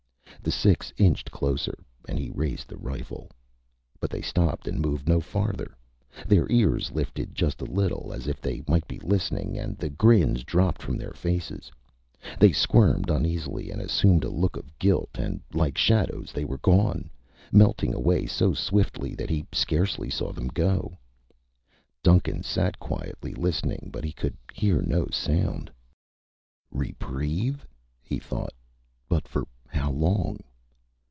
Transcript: The six inched closer and he raised the rifle. But they stopped and moved no farther. Their ears lifted just a little, as if they might be listening, and the grins dropped from their faces. They squirmed uneasily and assumed a look of guilt and, like shadows, they were gone, melting away so swiftly that he scarcely saw them go. Duncan sat quietly, listening, but he could hear no sound. Reprieve, he thought. But for how long?